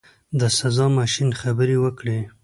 د سزا ماشین خبرې وکړې.